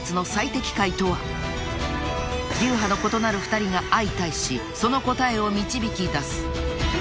［流派の異なる２人が相対しその答えを導き出す］